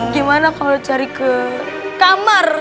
gimana kalau cari ke kamar